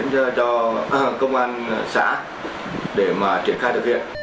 cho công an xã để mà triển khai được việc